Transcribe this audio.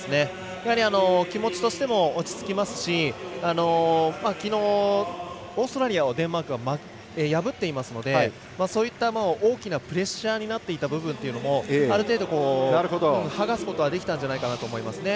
やはり気持ちとしても落ち着きますしきのう、オーストラリアをデンマークは破っていますのでそういった大きなプレッシャーになっていた部分というのもある程度、はがすことはできたんじゃないかと思いますね。